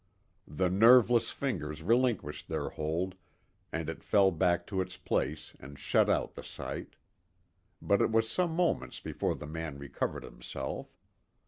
The nerveless fingers relinquished their hold, and it fell back to its place and shut out the sight. But it was some moments before the man recovered himself.